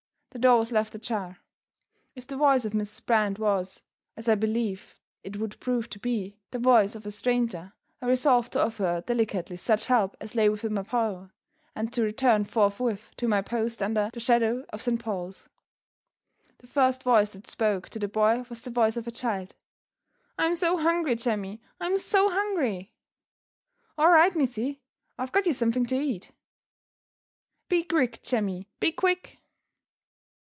The door was left ajar. If the voice of "Mrs. Brand" was (as I believed it would prove to be) the voice of a stranger, I resolved to offer her delicately such help as lay within my power, and to return forthwith to my post under "the shadow of Saint Paul's." The first voice that spoke to the boy was the voice of a child. "I'm so hungry, Jemmy I'm so hungry!" "All right, missy I've got you something to eat." "Be quick, Jemmy! Be quick!"